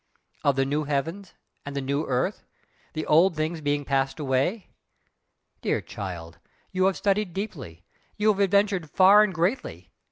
of the 'new heavens and the new earth,' the old things being passed away? Dear child, you have studied deeply you have adventured far and greatly!